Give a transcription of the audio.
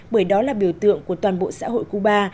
bởi đó là biểu tượng của toàn bộ xã hội cuba